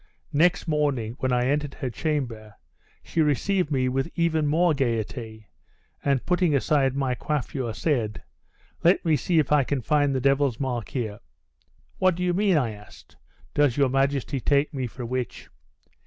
Next morning, when I entered her chamber, she received me with even more gayety, and putting aside my coiffure, said, 'Let me see if I can find the devil's mark here!' 'What do you mean?' I asked, 'does your majesty take me for a witch?'